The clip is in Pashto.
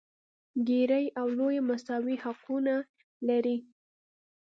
ګېري او لويي مساوي حقونه لري.